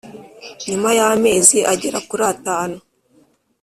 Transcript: nyuma y’amezi agera kuri atanu